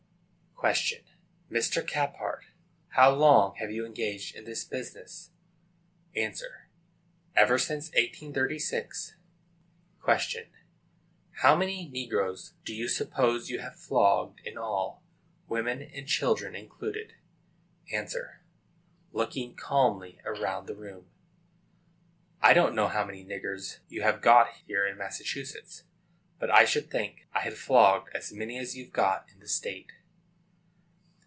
Q. Mr. Caphart, how long have you been engaged in this business? A. Ever since 1836. Q. How many negroes do you suppose you have flogged, in all, women and children included? A. [Looking calmly round the room.] I don't know how many niggers you have got here in Massachusetts, but I should think I had flogged as many as you've got in the state.